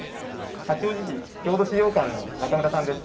八王子市郷土資料館の中村さんです。